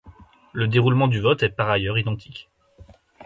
Le déroulement du vote est par ailleurs identique.